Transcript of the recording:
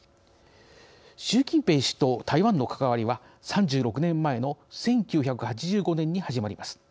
習近平氏と台湾の関わりは３６年前の１９８５年に始まります。